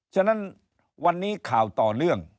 ฉะนั้นวันนี้ข่าวต่อเนื่อง